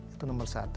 itu nomor satu